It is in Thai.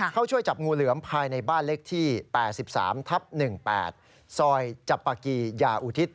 เข้าช่วยจับงูเหลือมภายในบ้านเลขที่๘๓ทับ๑๘ซอยจับปากียาอุทิศ